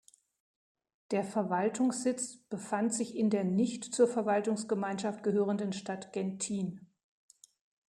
Der Verwaltungssitz befand sich in der nicht zur Verwaltungsgemeinschaft gehörenden Stadt Genthin.